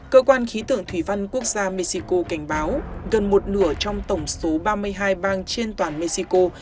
cơ quan khí tượng thủy văn quốc gia mexico cảnh báo gần một nửa trong tổng số ba mươi hai bang trên toàn mexico